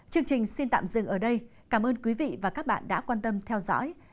chương trình xin tạm dừng ở đây cảm ơn quý vị và các bạn đã quan tâm theo dõi